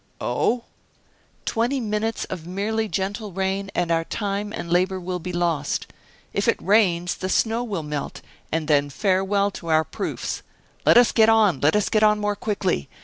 "Oh!" "Twenty minutes of merely gentle rain, and our time and labor will be lost. If it rains, the snow will melt, and then farewell to our proofs. Let us get on let us get on more quickly!